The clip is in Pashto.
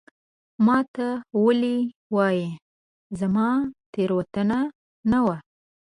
ما ته ولي وایې ؟ زما تېروتنه نه وه